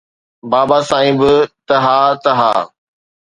بابا سائين به ته ها ته ها